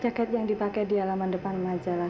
jaket yang dipakai di halaman depan majalah